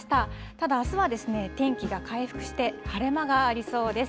ただ、あすは天気が回復して、晴れ間がありそうです。